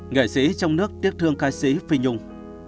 nghệ sĩ trong nước tiếc thương ca sĩ phi nhung